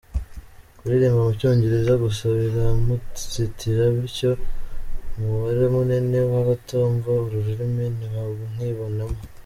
Kuririmba mu Cyongereza gusa biramuzitira bityo umubare munini w’abatumva uru rurimi ntibamwibonemo.